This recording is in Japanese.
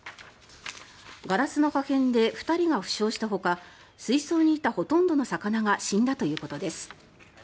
ガラスの破片で２人が負傷したほか水槽にいたほとんどの魚が死んだということです。